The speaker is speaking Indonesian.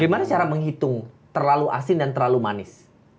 gimana cara menghitung terlalu asin dan terlalu manis